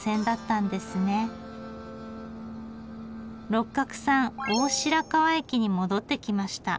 六角さん大白川駅に戻ってきました。